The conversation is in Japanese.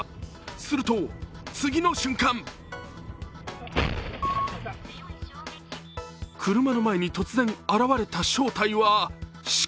すると次の瞬間車の前に突然、現れた正体は鹿。